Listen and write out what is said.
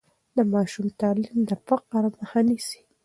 د ماشوم تعلیم د فقر مخه نیسي.